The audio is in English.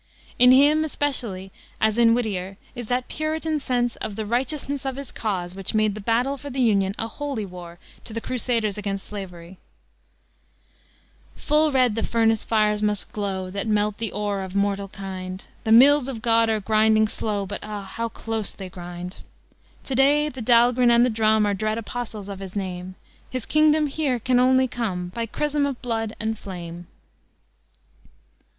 In him, especially, as in Whittier, is that Puritan sense of the righteousness of his cause which made the battle for the Union a holy war to the crusaders against slavery: "Full red the furnace fires must glow That melt the ore of mortal kind: The mills of God are grinding slow, But ah, how close they grind! "To day the Dahlgren and the drum Are dread apostles of his name; His kingdom here can only come By chrism of blood and flame."